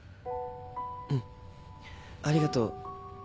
うんありがとう。